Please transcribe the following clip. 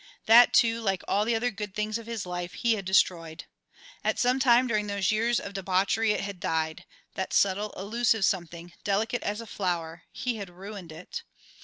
That, too, like all the other good things of his life, he had destroyed. At some time during those years of debauchery it had died, that subtle, elusive something, delicate as a flower; he had ruined it.